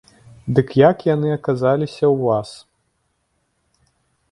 Дык як яны аказаліся ў вас?